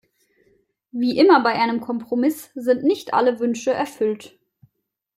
Wie immer bei einem Kompromiss sind nicht alle Wünsche erfüllt.